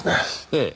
ええ。